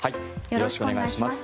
よろしくお願いします。